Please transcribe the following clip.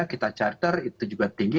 kita charter itu juga tinggi